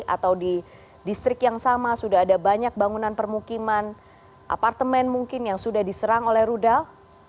atau di distrik yang sama sudah ada banyak bangunan permukiman apartemen mungkin yang sudah diserang oleh rudal